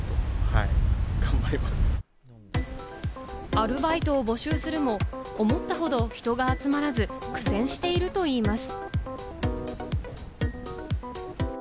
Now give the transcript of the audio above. アルバイトを募集するも、思ったほど人が集まらず苦戦しているといいます。